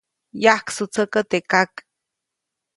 -Yajksutsäkä teʼ kak.-